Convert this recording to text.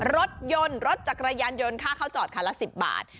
รถยนต์รถจักรยานยนต์ค่าเข้าจอดคันละ๑๐บาท